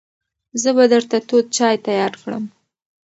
زه به درته تود چای تیار کړم.